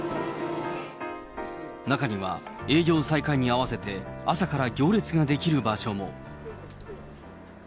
中には、営業再開に合わせて、朝から行列が出来る場所も。